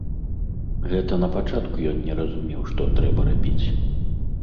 Гэта на пачатку ён не разумеў, што трэба рабіць.